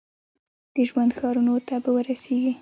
د ژوند ښارونو ته به ورسیږي ؟